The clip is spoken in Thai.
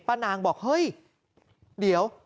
นางบอกเฮ้ยเดี๋ยว